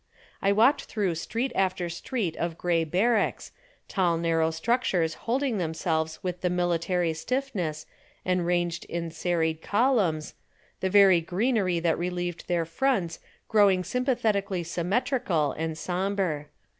I walked through street after street of gray barracks, tall narrow structures holding themselves with the military stiffness and ranged in serried columns, the very greenery that relieved their fronts growing sympathetically symmetrical and sombre.